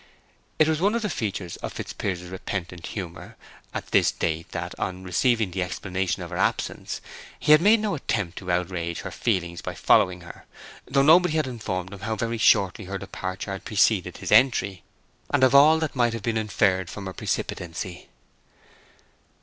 It was one of the features of Fitzpiers's repentant humor at this date that, on receiving the explanation of her absence, he had made no attempt to outrage her feelings by following her; though nobody had informed him how very shortly her departure had preceded his entry, and of all that might have been inferred from her precipitancy.